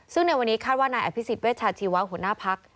ซึ่งในวันนี้คาดว่านายอภิษฎเวชาชีวะหัวหน้าพัก